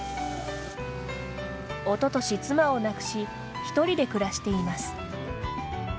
おととし妻を亡くし１人で暮らしています。